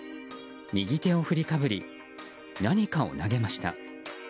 右手を振りかぶり何かを投げました。